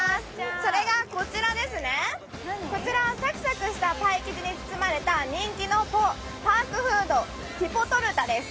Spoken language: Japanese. それがこちらですね、こちらはサクサクしたパイ生地に包まれた人気のパークフード、ティポトルタです。